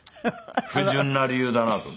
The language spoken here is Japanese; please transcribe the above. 不純な理由だなと。